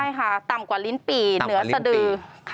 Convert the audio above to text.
ใช่ค่ะต่ำกว่าลิ้นปี่เหนือสดือ